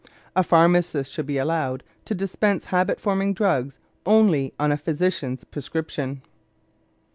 A pharmacist should be allowed to dispense habit forming drugs only on a physician's prescription.